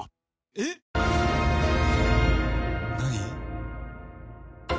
えっ何？